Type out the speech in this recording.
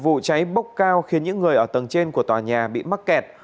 vụ cháy bốc cao khiến những người ở tầng trên của tòa nhà bị mắc kẹt